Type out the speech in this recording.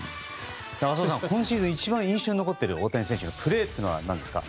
浅尾さん、今シーズン一番印象に残っている大谷選手のプレーは何ですか。